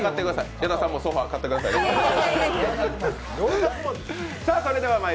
矢田さんもソファー買ってください。